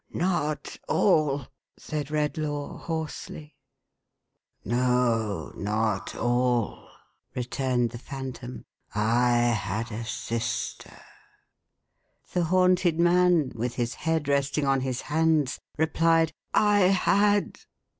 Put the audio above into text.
" Not all," said Redlaw, hoarsely. 438 THE HAUNTED MAN. " No, not all," returned the Phantom. " I had a sister." The haunted man, with his head resting on his hands, replied "I had!